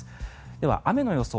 では、雨の予想